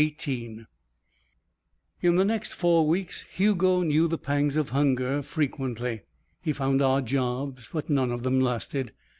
XVIII In the next four weeks Hugo knew the pangs of hunger frequently. He found odd jobs, but none of them lasted.